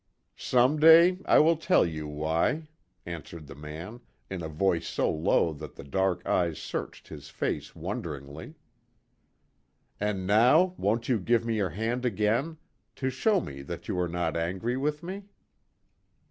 "Some day I will tell you why," answered the man, in a voice so low that the dark eyes searched his face wonderingly. "And, now, won't you give me your hand again? To show me that you are not angry with me."